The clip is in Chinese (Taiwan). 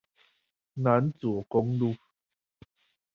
南左公路